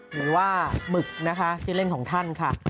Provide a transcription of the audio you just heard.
หรือว่าหมึกนะคะชื่อเล่นของท่านค่ะ